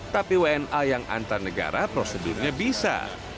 tapi wna yang antar negara prosedurnya bisa